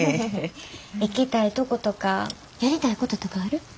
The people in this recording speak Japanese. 行きたいとことかやりたいこととかある？